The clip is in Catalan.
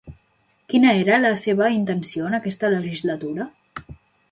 Quina era la seva intenció en aquesta legislatura?